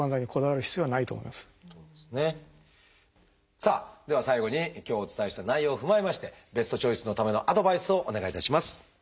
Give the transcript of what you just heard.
さあでは最後に今日お伝えした内容を踏まえましてベストチョイスのためのアドバイスをお願いいたします。